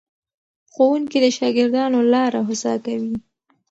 ښوونکي د شاګردانو لاره هوسا کوي.